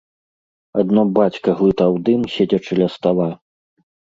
Адно бацька глытаў дым, седзячы ля стала.